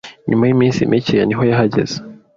Nyuma yiminsi mike niho yahageze.